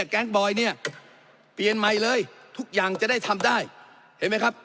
แก๊งบอยเนี่ยเปลี่ยนใหม่เลยทุกอย่างจะได้ทำได้เห็นไหมครับ